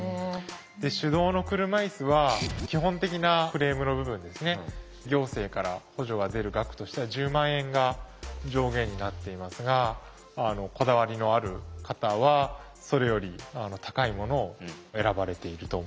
で手動の車いすは基本的なフレームの部分ですね行政から補助が出る額としては１０万円が上限になっていますがこだわりのある方はそれより高いものを選ばれていると思いますね。